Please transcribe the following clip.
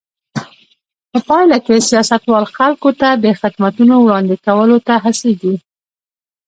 په پایله کې سیاستوال خلکو ته د خدمتونو وړاندې کولو ته هڅېږي.